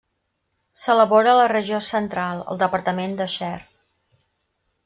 S'elabora a la regió central, al departament de Cher.